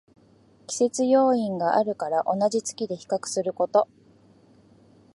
季節要因あるから同じ月で比較すること